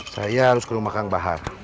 saya harus ke rumah kang bahar